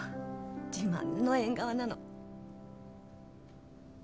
自慢の縁側なの。